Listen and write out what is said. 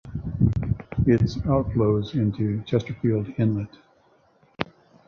Its outflows into Chesterfield Inlet.